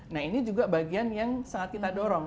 nah ini juga bagian yang sangat kita dorong